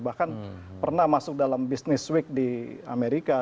bahkan pernah masuk dalam bisnis week di amerika